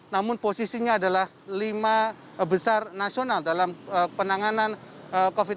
namun posisinya adalah lima besar nasional dalam penanganan covid sembilan belas